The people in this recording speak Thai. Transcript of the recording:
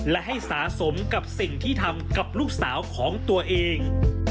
และให้สะสมกับสิ่งที่ทำกับลูกสาวของตัวเอง